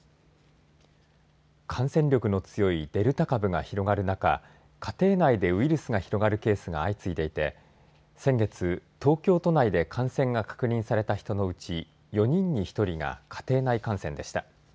感染力の強いデルタ株が広がる中、家庭内でウイルスが広がるケースが相次いでいて先月、東京都内で感染が確認された人のうち４人に１人が家庭内感染でした。